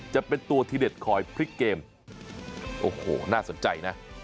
จะเป็นตัวที่เด็ดคอยพลิกเกมโอ้โหน่าสนใจนะ